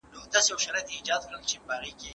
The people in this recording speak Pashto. په ازاده ټولنه کي ژوند کول تر جمود ښه دی.